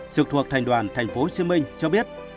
trực thuộc thành đoàn tp hcm cho biết